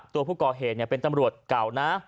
ตัวผู้ก่อเหตุเป็นตำรวจเก่านะ